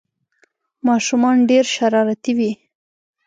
ماشومان ډېر شرارتي وي